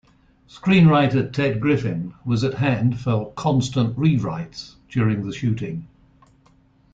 Screenwriter Ted Griffin was at hand for "constant rewrites" during the shooting.